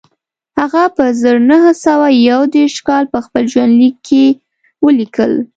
هغه په زر نه سوه یو دېرش کال په خپل ژوندلیک کې ولیکل